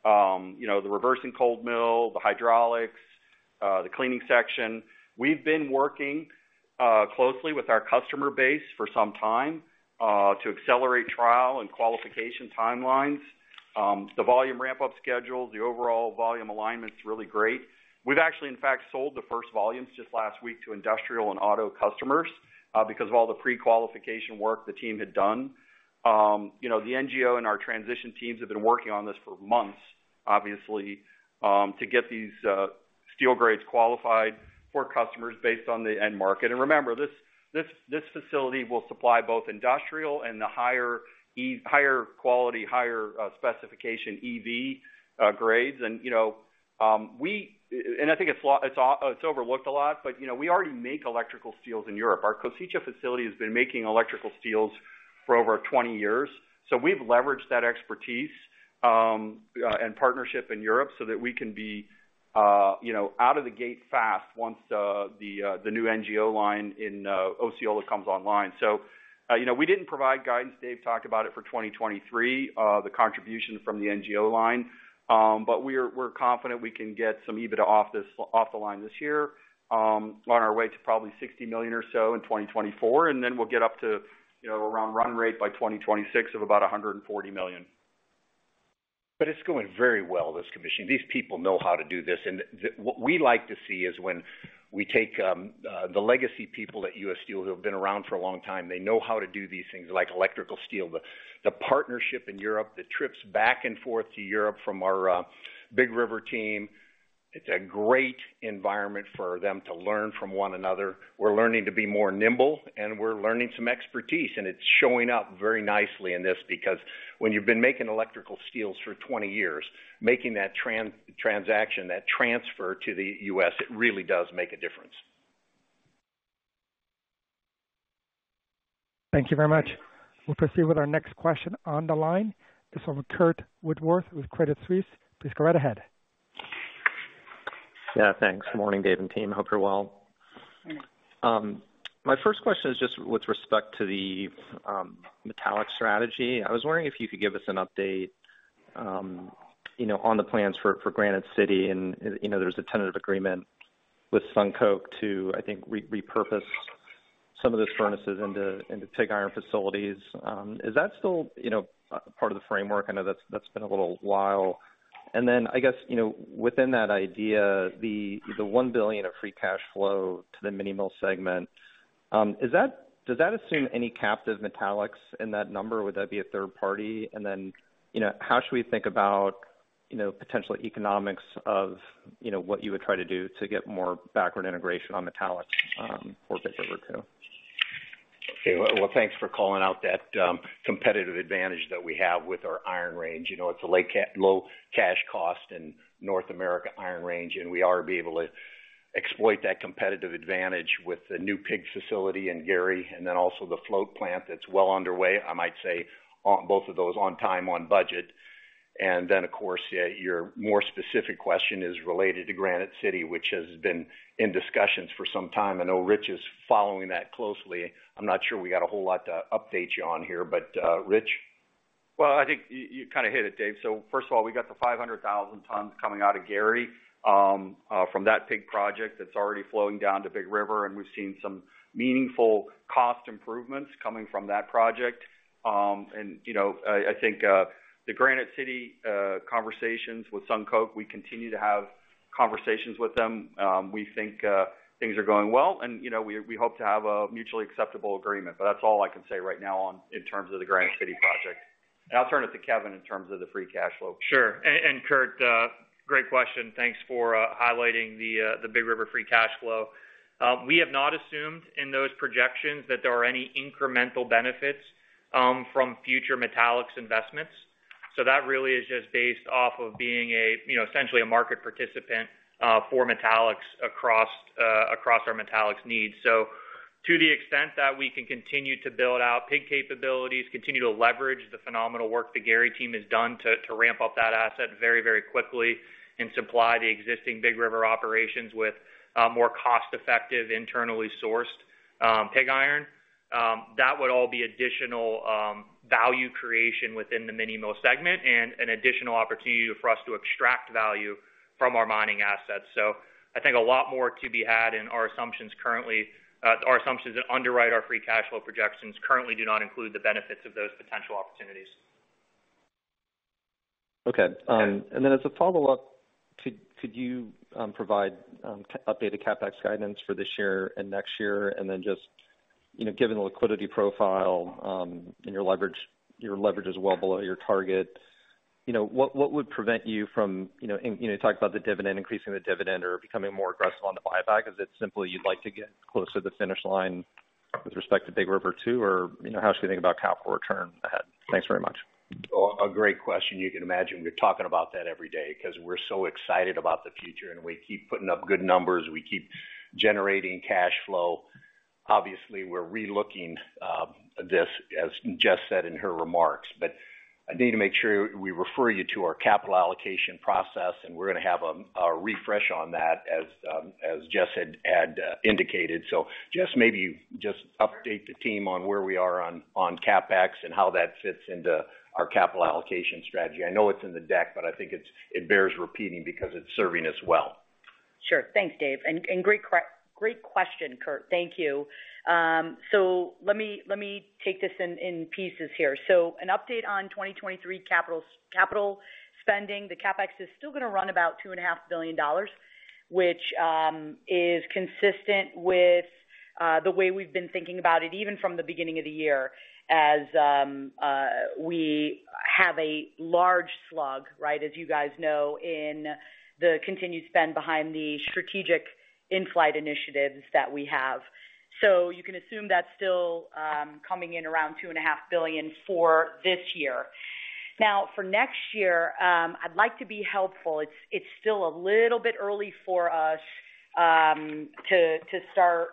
you know, the reversing cold mill, the hydraulics, the cleaning section. We've been working closely with our customer base for some time to accelerate trial and qualification timelines. The volume ramp-up schedules, the overall volume alignment is really great. We've actually, in fact, sold the first volumes just last week to industrial and auto customers because of all the pre-qualification work the team had done. You know, the NGO and our transition teams have been working on this for months, obviously, to get these steel grades qualified for customers based on the end market. Remember, this, this, this facility will supply both industrial and the higher quality, higher specification EV grades. You know, and I think it's overlooked a lot, but, you know, we already make electrical steels in Europe. Our Kosice facility has been making electrical steels for over 20 years, we've leveraged that expertise, and partnership in Europe so that we can be, you know, out of the gate fast once the new NGO line in Osceola comes online. We didn't provide guidance. Dave talked about it for 2023, the contribution from the NGO line. But we're, we're confident we can get some EBITDA off this- off the line this year, on our way to probably $60 million or so in 2024, and then we'll get up to, you know, around run rate by 2026 of about $140 million. It's going very well, this commission. These people know how to do this, what we like to see is when we take the legacy people at U. S. Steel who have been around for a long time, they know how to do these things like electrical steel. The partnership in Europe, the trips back and forth to Europe from our Big River team, it's a great environment for them to learn from one another. We're learning to be more nimble, and we're learning some expertise, and it's showing up very nicely in this. Because when you've been making electrical steels for 20 years, making that transaction, that transfer to the U.S., it really does make a difference. Thank you very much. We'll proceed with our next question on the line. This is from Curt Woodworth with Credit Suisse. Please go right ahead. Yeah, thanks. Morning, Dave and team. Hope you're well. My first question is just with respect to the metallic strategy. I was wondering if you could give us an update, you know, on the plans for, for Granite City, and, you know, there was a tentative agreement with SunCoke to, I think, repurpose some of those furnaces into, into pig iron facilities. Is that still, you know, part of the framework? I know that's, that's been a little while. Then, I guess, you know, within that idea, the, the $1 billion of free cash flow to the Mini Mill segment, does that assume any captive metallics in that number? Would that be a third party? You know, how should we think about, you know, potential economics of, you know, what you would try to do to get more backward integration on metallics, for Big River 2? Okay, well, well, thanks for calling out that competitive advantage that we have with our Iron range. You know, it's a lake low cash cost in North America Iron Range, and we are able to exploit that competitive advantage with the new pig facility in Gary, and then also the flat plant that's well underway. I might say, on both of those, on time, on budget. Of course, yeah, your more specific question is related to Granite City, which has been in discussions for some time. I know Rich is following that closely. I'm not sure we got a whole lot to update you on here, but, Rich? Well, I think you, you kind of hit it, Dave. First of all, we got the 500,000 tons coming out of Gary, from that pig project that's already flowing down to Big River, and we've seen some meaningful cost improvements coming from that project. You know, I, I think, the Granite City, conversations with SunCoke, we continue to have conversations with them. We think, things are going well, and, you know, we, we hope to have a mutually acceptable agreement. That's all I can say right now on in terms of the Granite City project. I'll turn it to Kevin in terms of the free cash flow. Sure. Curt, great question. Thanks for highlighting the Big River free cash flow. We have not assumed in those projections that there are any incremental benefits from future metallics investments. That really is just based off of being a, you know, essentially a market participant for metallics across our metallics needs. To the extent that we can continue to build out pig capabilities, continue to leverage the phenomenal work the Gary team has done to, to ramp up that asset very, very quickly and supply the existing Big River operations with more cost-effective, internally sourced pig iron, that would all be additional value creation within the Mini Mill Segment and an additional opportunity for us to extract value from our mining assets. I think a lot more to be had in our assumptions currently, our assumptions that underwrite our free cash flow projections currently do not include the benefits of those potential opportunities. Okay. Then as a follow-up, could, could you provide updated CapEx guidance for this year and next year? Then just, you know, given the liquidity profile, and your leverage, your leverage is well below your target, you know, what, what would prevent you from, you know, and, you know, talk about the dividend, increasing the dividend or becoming more aggressive on the buyback? Is it simply you'd like to get closer to the finish line with respect to Big River 2, or, you know, how should we think about capital return ahead? Thanks very much. Well, a great question. You can imagine we're talking about that every day because we're so excited about the future, and we keep putting up good numbers, we keep generating cash flow. Obviously, we're relooking this, as Jess said in her remarks. I need to make sure we refer you to our capital allocation process, and we're gonna have a refresh on that, as Jess had, had indicated. Jess, maybe you just update the team on where we are on CapEx and how that fits into our capital allocation strategy. I know it's in the deck, but I think it bears repeating because it's serving us well. Sure. Thanks, Dave, and great question, Curt. Thank you. Let me, let me take this in, in pieces here. An update on 2023 capital spending, the CapEx is still gonna run about $2.5 billion, which is consistent with the way we've been thinking about it, even from the beginning of the year, as we have a large slug, right, as you guys know, in the continued spend behind the strategic in-flight initiatives that we have. You can assume that's still coming in around $2.5 billion for this year. Now, for next year, I'd like to be helpful. It's, it's still a little bit early for us to, to start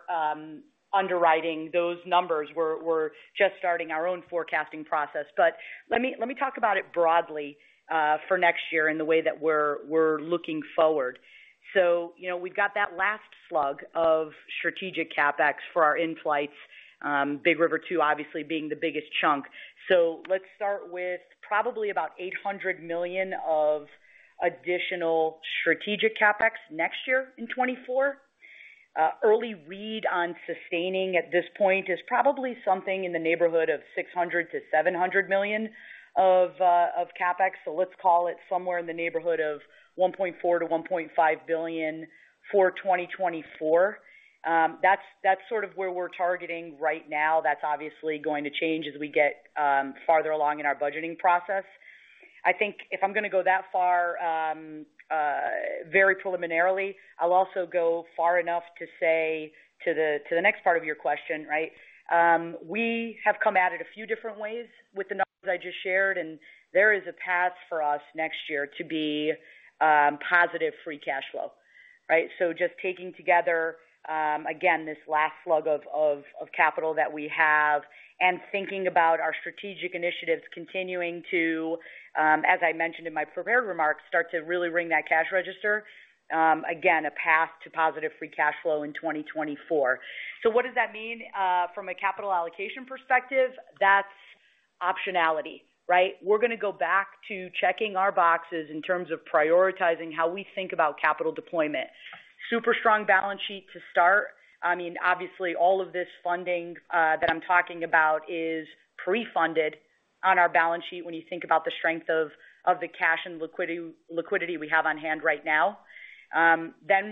underwriting those numbers. We're, we're just starting our own forecasting process. Let me, let me talk about it broadly for next year and the way that we're, we're looking forward. You know, we've got that last slug of strategic CapEx for our in-flights, Big River 2, obviously being the biggest chunk. Let's start with probably about $800 million of additional strategic CapEx next year in 2024. Early read on sustaining at this point is probably something in the neighborhood of $600 million-$700 million of CapEx. Let's call it somewhere in the neighborhood of $1.4 billion-$1.5 billion for 2024. That's, that's sort of where we're targeting right now. That's obviously going to change as we get farther along in our budgeting process. I think if I'm gonna go that far, very preliminarily, I'll also go far enough to say to the, to the next part of your question, right? There is a path for us next year to be positive free cash flow, right? Just taking together, again, this last slug of, of, of capital that we have and thinking about our strategic initiatives continuing to, as I mentioned in my prepared remarks, start to really ring that cash register, again, a path to positive free cash flow in 2024. What does that mean, from a capital allocation perspective? That's optionality, right? We're gonna go back to checking our boxes in terms of prioritizing how we think about capital deployment. Super strong balance sheet to start. I mean, obviously, all of this funding that I'm talking about is prefunded on our balance sheet when you think about the strength of, of the cash and liquidity we have on hand right now.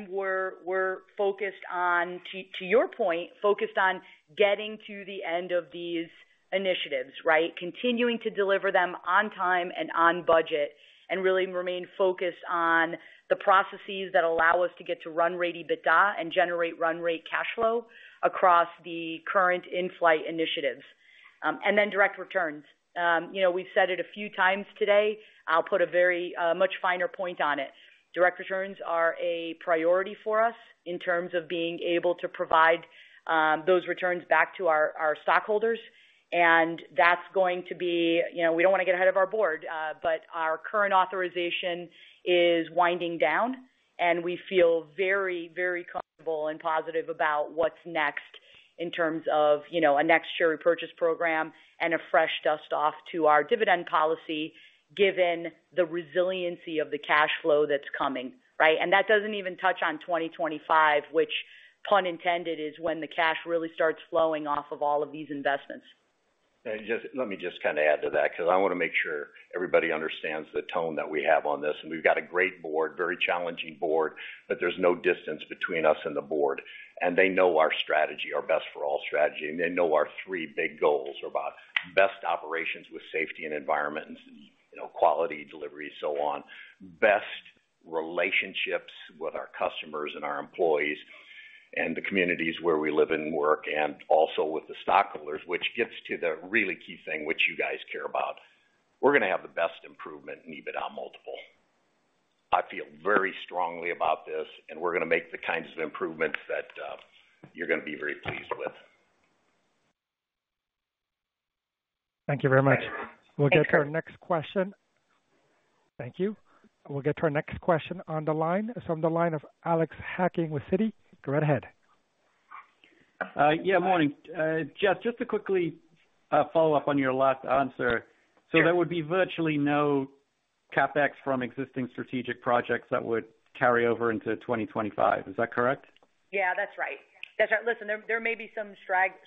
We're, we're focused on, to, to your point, focused on getting to the end of these initiatives, right? Continuing to deliver them on time and on budget, and really remain focused on the processes that allow us to get to run rate EBITDA and generate run rate cash flow across the current in-flight initiatives. Direct returns. You know, we've said it a few times today. I'll put a very much finer point on it. Direct returns are a priority for us in terms of being able to provide those returns back to our, our stockholders, and that's going to be. You know, we don't want to get ahead of our board, but our current authorization is winding down, and we feel very, very comfortable and positive about what's next in terms of, you know, a next share repurchase program and a fresh dust-off to our dividend policy, given the resiliency of the cash flow that's coming, right? That doesn't even touch on 2025, which, pun intended, is when the cash really starts flowing off of all of these investments. Just- let me just kind of add to that, because I want to make sure everybody understands the tone that we have on this. We've got a great board, very challenging board, but there's no distance between us and the board. They know our strategy, our Best for All® strategy, and they know our three big goals are about best operations with safety and environment, and, you know, quality, delivery, so on. Best relationships with our customers and our employees and the communities where we live and work, and also with the stockholders, which gets to the really key thing which you guys care about. We're gonna have the best improvement in EBITDA multiple. I feel very strongly about this, and we're gonna make the kinds of improvements that you're gonna be very pleased with. Thank you very much. We'll get to our next question. Thank you. We'll get to our next question on the line. It's on the line of Alex Hacking with Citi. Go right ahead. Yeah, morning. Jess, just to quickly follow up on your last answer. There would be virtually no CapEx from existing strategic projects that would carry over into 2025. Is that correct? Yeah, that's right. That's right. Listen, there, there may be some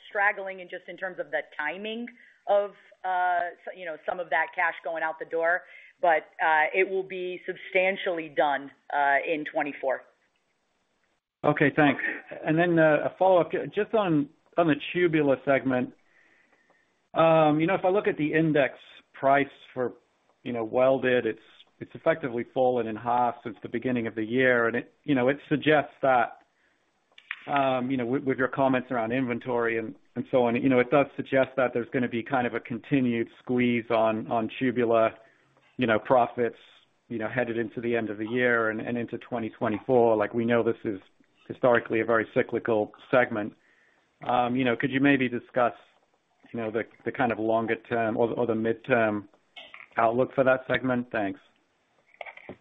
straggling in just in terms of the timing of, you know, some of that cash going out the door, but it will be substantially done in 2024. Okay, thanks. Then, a follow-up just on the Tubular segment. You know, if I look at the index price for, you know, welded, it's, it's effectively fallen in half since the beginning of the year. It, you know, it suggests that, you know, with your comments around inventory and so on, you know, it does suggest that there's gonna be kind of a continued squeeze on Tubular, you know, profits, you know, headed into the end of the year and into 2024. Like, we know, this is historically a very cyclical segment. You know, could you maybe discuss, you know, the kind of longer term or the midterm outlook for that segment? Thanks.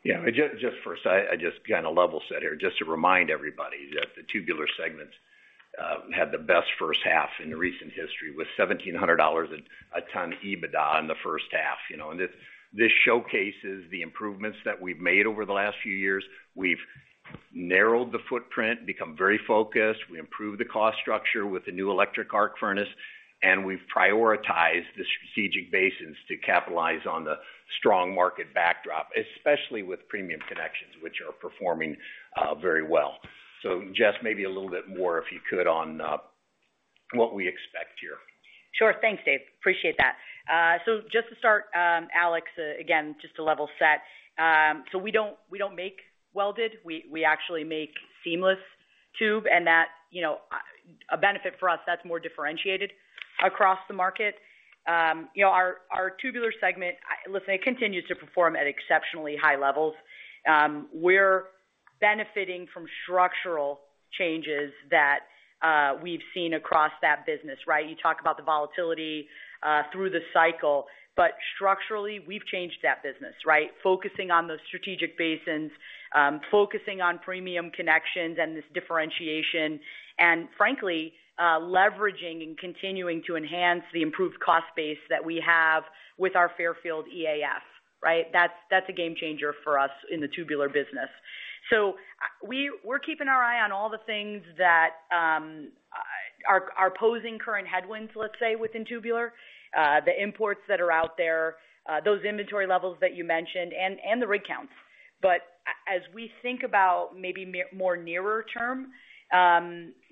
Yeah, just, just first, I, I just kind of level set here, just to remind everybody that the Tubular segment had the best first half in the recent history, with $1,700 a ton EBITDA in the first half. You know, this, this showcases the improvements that we've made over the last few years. We've narrowed the footprint, become very focused. We improved the cost structure with the new electric arc furnace, and we've prioritized the strategic basins to capitalize on the strong market backdrop, especially with premium connections, which are performing very well. Jess, maybe a little bit more, if you could, on what we expect here. Sure. Thanks, Dave. Appreciate that. Just to start, Alex, again, just to level set. We don't, we don't make welded. We actually make seamless tube, and that, you know, a benefit for us that's more differentiated across the market. You know, our Tubular segment, listen, it continues to perform at exceptionally high levels. We're benefiting from structural changes that we've seen across that business, right? You talk about the volatility through the cycle, but structurally, we've changed that business, right? Focusing on those strategic basins, focusing on premium connections and this differentiation and frankly, leveraging and continuing to enhance the improved cost base that we have with our Fairfield EAF, right? That's, that's a game changer for us in the Tubular business. We're keeping our eye on all the things that are, are posing current headwinds, let's say, within Tubular. The imports that are out there, those inventory levels that you mentioned and, and the rig counts. As we think about maybe more nearer term,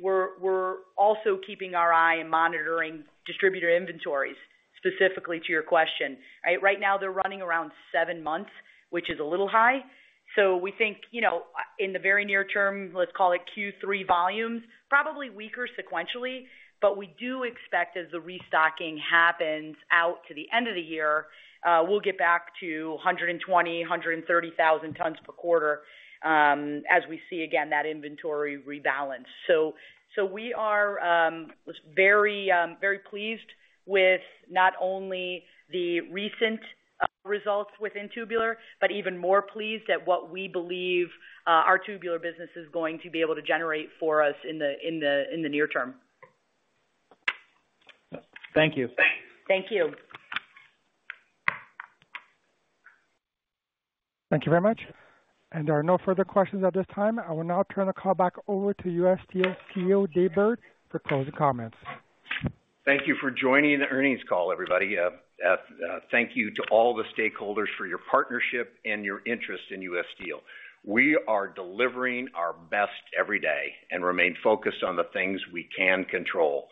we're, we're also keeping our eye and monitoring distributor inventories, specifically to your question, right? Right now, they're running around seven months, which is a little high. We think, you know, in the very near term, let's call it Q3 volumes, probably weaker sequentially, but we do expect as the restocking happens out to the end of the year, we'll get back to 120,000-130,000 tons per quarter, as we see again, that inventory rebalance. We are very, very pleased with not only the recent results within Tubular, but even more pleased at what we believe our Tubular business is going to be able to generate for us in the near term. Thank you. Thank you. Thank you very much. There are no further questions at this time. I will now turn the call back over to U. S. Steel CEO, Dave Burritt, for closing comments. Thank you for joining the earnings call, everybody. Thank you to all the stakeholders for your partnership and your interest in U. S. Steel. We are delivering our best every day and remain focused on the things we can control.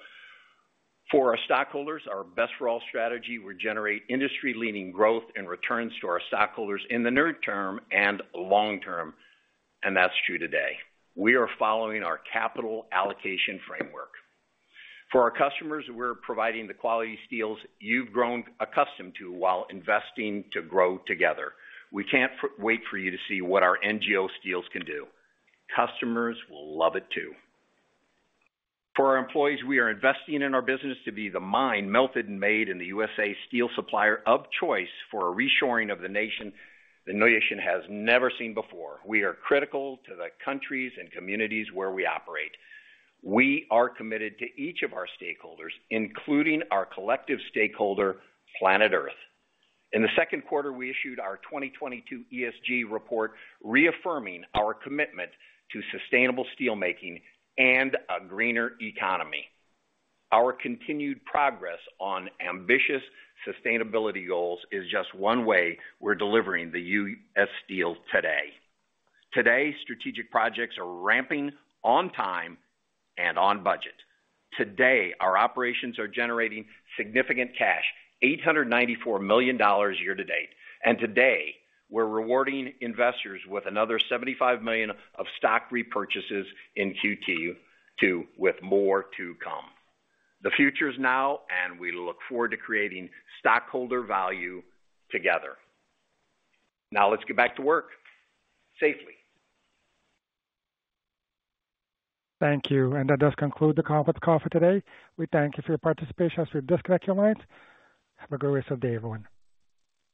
For our stockholders, our Best for All® strategy will generate industry-leading growth and returns to our stockholders in the near term and long term, and that's true today. We are following our capital allocation framework. For our customers, we're providing the quality steels you've grown accustomed to, while investing to grow together. We can't wait for you to see what our NGO steels can do. Customers will love it, too. For our employees, we are investing in our business to be the mine, melted, and made in the U.S.A. steel supplier of choice for a reshoring of the nation, the nation has never seen before. We are critical to the countries and communities where we operate. We are committed to each of our stakeholders, including our collective stakeholder, planet Earth. In the second quarter, we issued our 2022 ESG report, reaffirming our commitment to sustainable steelmaking and a greener economy. Our continued progress on ambitious sustainability goals is just one way we're delivering the U. S. Steel today. Today, strategic projects are ramping on time and on budget. Today, our operations are generating significant cash, $894 million year to date. Today, we're rewarding investors with another $75 million of stock repurchases in Q2, with more to come. The future is now, and we look forward to creating stockholder value together. Now, let's get back to work, safely. Thank you. That does conclude the conference call for today. We thank you for your participation. Just disconnect your lines. Have a great rest of the day, everyone.